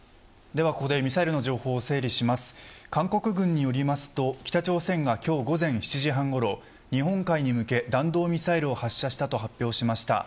ではここでミサイルの情報を整理します韓国軍によりますと北朝鮮が今日午前７時半ごろ日本海に向け弾道ミサイルを発射したと発表しました。